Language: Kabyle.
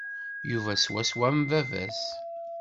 Yuba swaswa am baba-s.